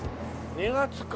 ２月か。